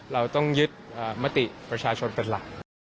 เราต้องยึดมติประชาชนเป็นหลัก